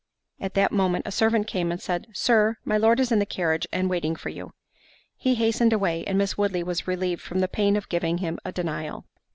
At that moment a servant came and said, "Sir, my Lord is in the carriage, and waiting for you." He hastened away, and Miss Woodley was relieved from the pain of giving him a denial.